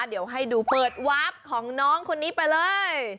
เดี๋ยวให้ดูเปิดวาร์ฟของน้องคนนี้ไปเลย